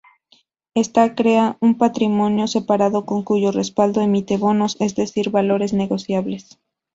Ésta crea un patrimonio separado con cuyo respaldo emite bonos, es decir, valores negociables.